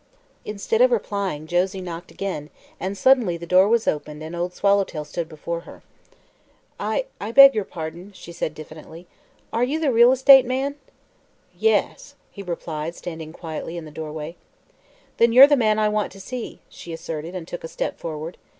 Instead of replying, Josie knocked again, and suddenly the door was opened and Old Swallowtail stood before her. "I I beg your pardon," said she diffidently; "are you the real estate man?" "Yes," he replied, standing quietly in the doorway. "Then you're the man I want to see," she asserted and took a step forward.